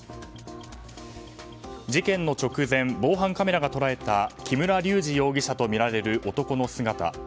事件の直前、防犯カメラが捉えた木村隆二容疑者とみられる男の姿。